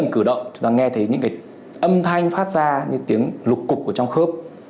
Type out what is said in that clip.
chúng ta nghe thấy những cái âm thanh phát ra những tiếng lục cục của trong khớp